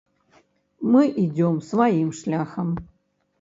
Мы ідзём сваім шляхам.